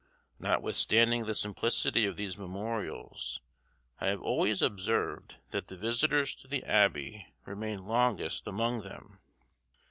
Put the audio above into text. Notwithstanding the simplicity of these memorials, I have always observed that the visitors to the abbey remained longest about them.